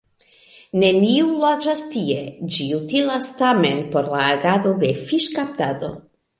Neniu loĝas tie, ĝi utilas tamen por la agado de fiŝkaptado.